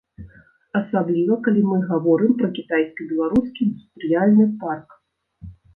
Асабліва калі мы гаворым пра кітайска-беларускі індустрыяльны парк.